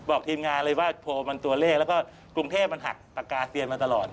ทีมงานเลยว่าโพลมันตัวเลขแล้วก็กรุงเทพมันหักปากกาเซียนมาตลอด